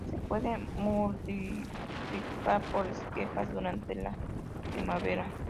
Se puede multiplicar por esquejes durante la primavera.